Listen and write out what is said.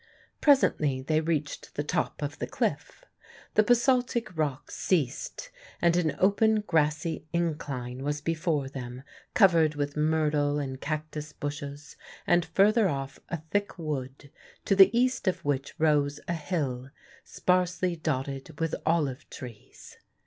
Presently they reached the top of the cliff. The basaltic rock ceased and an open grassy incline was before them covered with myrtle and cactus bushes; and further off a thick wood, to the east of which rose a hill sparsely dotted with olive trees.